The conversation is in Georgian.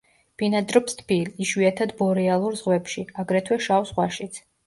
ბინადრობს თბილ, იშვიათად ბორეალურ ზღვებში, აგრეთვე შავ ზღვაშიც.